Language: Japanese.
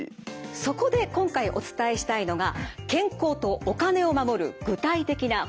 そこで今回お伝えしたいのが健康とお金を守る具体的な方法です。